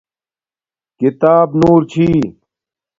کتاب نور چھی